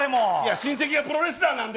親戚がプロレスラーなんで。